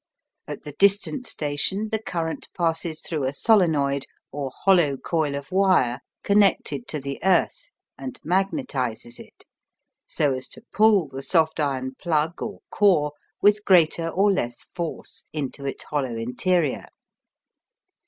At the distant station the current passes through a solenoid or hollow coil of wire connected to the earth and magnetises it, so as to pull the soft iron plug or "core" with greater or less force into its hollow interior.